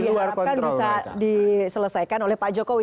nah itu kemudian yang diharapkan bisa diselesaikan oleh pak jokowi